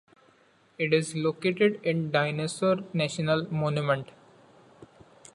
It is located in Dinosaur National Monument.